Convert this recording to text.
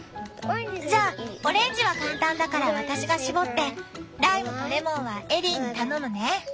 じゃあオレンジは簡単だから私が搾ってライムとレモンはエリーに頼むね。